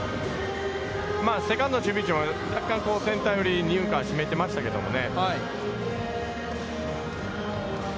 セカンドの守備位置も若干センター寄り二遊間をしめていましたけどね。